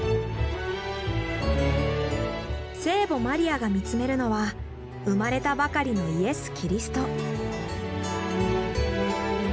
聖母マリアが見つめるのは生まれたばかりのイエス・キリスト。